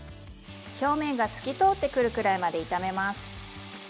表面が透き通ってくるくらいまで炒めます。